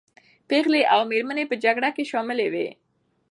پېغلې او مېرمنې په جګړه کې شاملي وې.